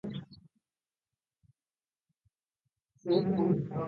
山梨県道志村